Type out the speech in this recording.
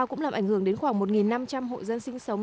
cũng làm ảnh hưởng đến khoảng một năm trăm linh hộ dân sinh sống